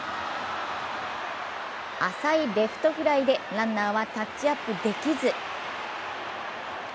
浅いレフトフライでランナーはタッチアップできず。